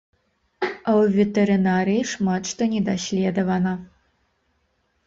А ў ветэрынарыі шмат што не даследавана.